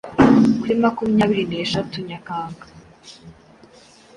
Kuri makumyabiri neshatu Nyakanga